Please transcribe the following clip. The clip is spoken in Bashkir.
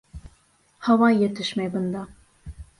Һауа етешмәй бында...